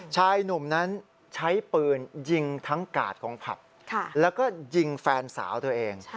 ชายหนุ่มนั้นใช้ปืนยิงทั้งกาดของผับแล้วก็ยิงแฟนสาวตัวเอง